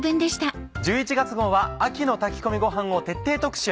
１１月号は「秋の炊き込みごはん」を徹底特集。